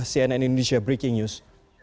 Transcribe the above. cnn indonesia breaking news